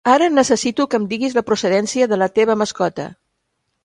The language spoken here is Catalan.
Ara necessito que em diguis la procedència de la teva mascota.